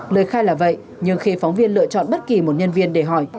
lời khai là vậy nhưng khi phóng viên lựa chọn bất kỳ một nhân viên để hỏi